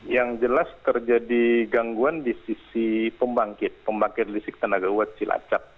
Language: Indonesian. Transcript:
yang jelas terjadi gangguan di sisi pembangkit pembangkit listrik tenaga uat cilacap